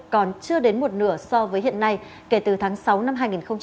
còn chưa đến một nửa so với hiện nay kể từ tháng sáu năm hai nghìn một mươi chín